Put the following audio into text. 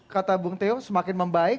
kata bung teo semakin membaik